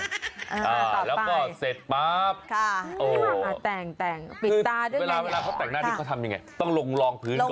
ต่อไปแล้วก็เสร็จปั๊บคือเวลาเขาแต่งหน้านี่เขาทำยังไงต้องลงรองพื้นก่อน